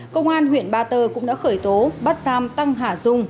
công an huyện ba tơ cũng đã khởi tố bắt giam tăng hà dung